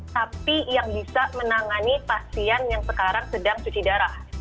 tapi yang bisa menangani pasien yang sekarang sedang cuci darah